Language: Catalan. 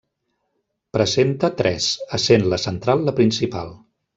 Presenta tres essent la central la principal.